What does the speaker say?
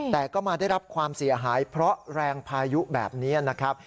แต่ก็มาได้รับความเสียหายเพราะแรงพายุแบบนี้นะครับ